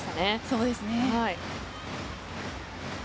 そうですね。